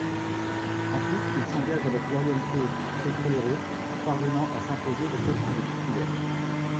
Ensuite, il s'engage avec l'Oriente Petrolero, parvenant à s'imposer au poste de titulaire.